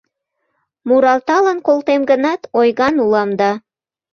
Муралталын колтем гынат, ойган улам да